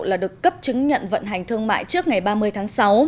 là được cấp chứng nhận vận hành thương mại trước ngày ba mươi tháng sáu